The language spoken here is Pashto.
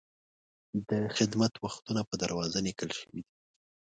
د خدمت وختونه په دروازه لیکل شوي دي.